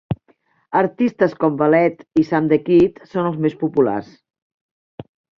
Artistes com Valete i Sam the Kid són els més populars.